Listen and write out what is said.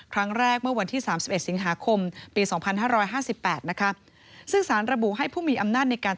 ครั้งแรกเมื่อวันที่๓๑สิงหาคมปี๒๕๕๘นะคะ